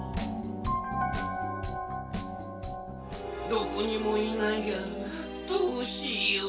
どこにもいないがどうしよう。